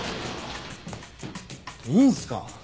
いいんすか？